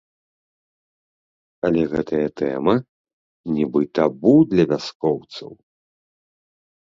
Але гэтая тэма нібы табу для вяскоўцаў.